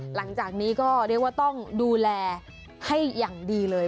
หลังจากนี้ก็เรียกว่าต้องดูแลให้อย่างดีเลย